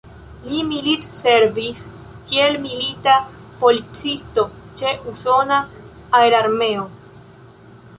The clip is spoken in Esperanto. Li militservis kiel milita policisto ĉe usona aerarmeo.